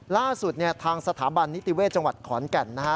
ล่าสุดเนี่ยทางสถาบันนิติเวศจังหวัดขอนแก่นนะฮะ